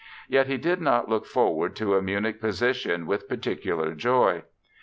Yet he did not look forward to a Munich position with particular joy.